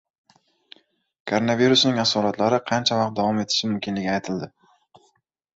Koronavirusning asoratlari qancha vaqt davom etishi mumkinligi aytildi